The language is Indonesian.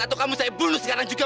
atau kamu saya bunuh sekarang juga